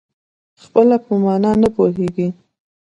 خپله په مانا نه پوهېږي.